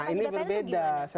nah ini berbeda